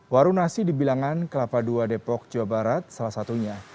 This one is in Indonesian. waru nasi dibilangan kelapa dua depok jawa barat salah satunya